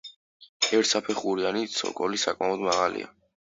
ერთსაფეხურიანი ცოკოლი საკმაოდ მაღალია.